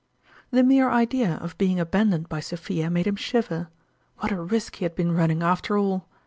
" The mere idea of being abandoned by So phia made him shiver. What a risk he had been running, after all